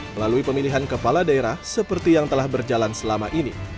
melalui pemilihan kepala daerah seperti yang telah berjalan selama ini